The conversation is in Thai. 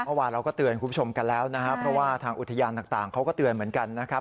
เมื่อวานเราก็เตือนคุณผู้ชมกันแล้วนะครับเพราะว่าทางอุทยานต่างเขาก็เตือนเหมือนกันนะครับ